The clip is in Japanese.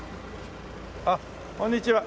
あっこんにちは。